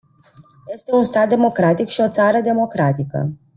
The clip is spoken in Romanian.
Este un stat democratic și o țară democratică.